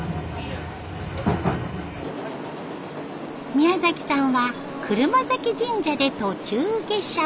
宮さんは車折神社で途中下車。